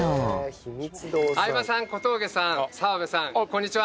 相葉さん小峠さん澤部さんこんにちは。